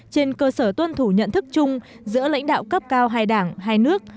trên cơ sở tuân thủ nhận thức chung giữa lãnh đạo cấp cao hai đảng hai nước